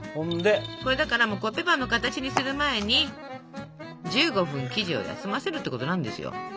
これだからコッペパンの形にする前に１５分生地を休ませるってことなんですよ。